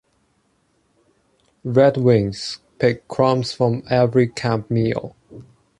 Redwings pick crumbs from every camp meal.